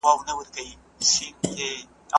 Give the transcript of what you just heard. د پوستکي سرطان درملنه شونې ده.